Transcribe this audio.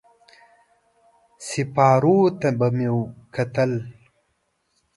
سېپارو ته به يې کتل.